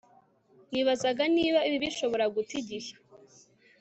Nibazaga niba ibi bishobora guta igihe